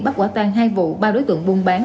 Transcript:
bắt quả tan hai vụ ba đối tượng buôn bán